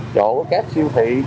chỗ két siêu thị